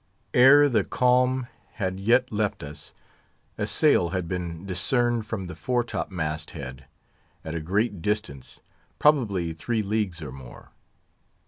Ere the calm had yet left us, a sail had been discerned from the fore top mast head, at a great distance, probably three leagues or more.